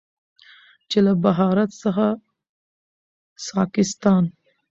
چې له بهارت څخه ساکستان،